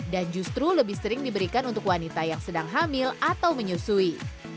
dan justru lebih sering diberikan untuk wanita yang sedang hamil atau menyusui